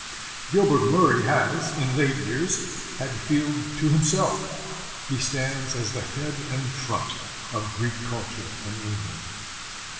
Gilbert Murray has, in late years, had the field to himself. He stands as the head and front of Greek culture in England.